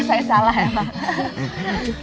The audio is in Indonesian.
saya salah ya pak